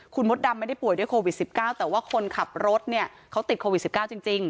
คุณมดดำไม่ได้ป่วยด้วยโควิด๑๙แต่ว่าคนขับรถเนี่ยเขาติดโควิด๑๙จริง